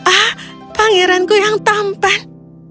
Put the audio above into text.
ah pangeranku yang tampan